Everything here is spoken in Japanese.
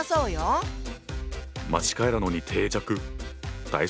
間違いなのに定着。